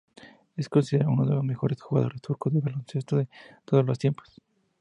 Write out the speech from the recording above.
Es considerado uno de los mejores jugadores turcos de baloncesto de todos los tiempos.